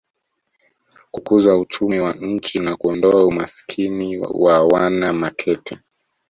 kukuza uchumi wa nchi na kuondoa umasikini wa wana Makete